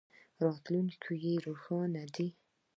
او راتلونکی یې روښانه دی.